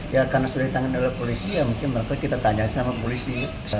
ya karena sudah ditangani oleh polisi ya mungkin mereka kita tanya sama polisi